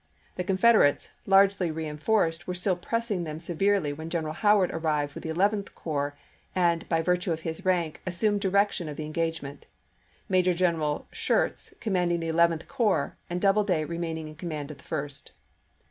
The Con federates, largely reenforced, were still pressing them severely when General Howard arrived with the Eleventh Corps and, by virtue of his rank, assumed direction of the engagement, Major Gen eral Schurz commanding the Eleventh Corps, and Doubleday remaining in command of the First.